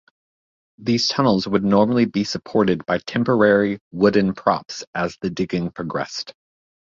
These tunnels would normally be supported by temporary wooden props as the digging progressed.